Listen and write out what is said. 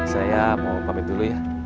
saya mau pamit dulu ya